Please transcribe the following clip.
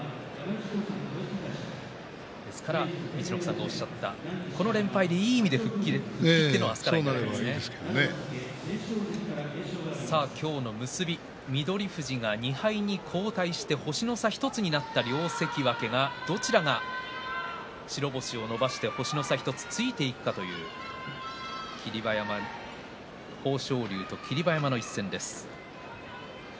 陸奥さんがおっしゃったこの連敗でいい意味で吹っ切れて明日から今日の結びに翠富士が２敗に後退して星の差１つになった両関脇がどちらが白星を伸ばして星の差１つでついていくかという霧馬山、豊昇龍。